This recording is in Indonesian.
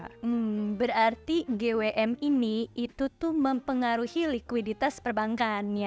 hmm berarti gwm ini itu tuh mempengaruhi likuiditas perbankan ya